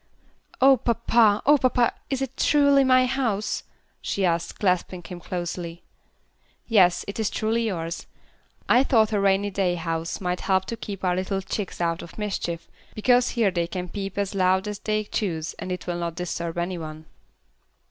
"Oh, papa! Oh, papa! is it truly my house?" she asked, clasping him closely. "Yes, it is truly yours. I thought a rainy day house might help to keep our little chicks out of mischief, because here they can peep as loud as they choose and it will not disturb any one."